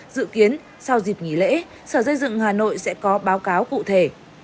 dự kiến sau dịp nghỉ lễ sở xây dựng hà nội sẽ có báo cáo cụ thể